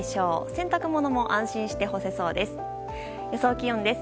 洗濯物も安心して干せそうです。